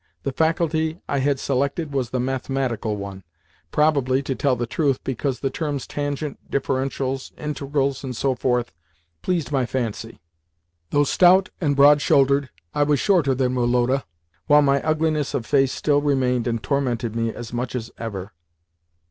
The faculty I had selected was the mathematical one—probably, to tell the truth, because the terms "tangent," "differentials," "integrals," and so forth, pleased my fancy. Though stout and broad shouldered, I was shorter than Woloda, while my ugliness of face still remained and tormented me as much as ever.